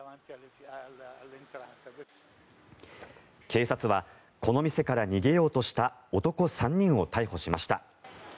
警察はこの店から逃げようとした男３人を逮捕しました。